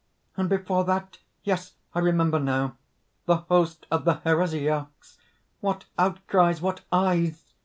"And before that? Yes: I remember now! the host of the Heresiarchs! What outcries! What eyes!